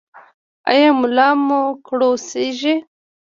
ایا ملا مو کړوسیږي؟